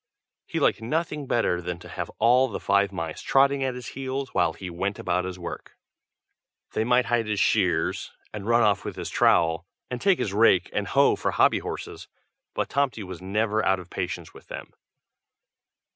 He liked nothing better than to have all the five mice trotting at his heels while he went about his work. They might hide his shears, and run off with his trowel, and take his rake and hoe for hobbyhorses, but Tomty was never out of patience with them.